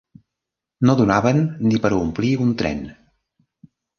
No donaven ni per a omplir un tren.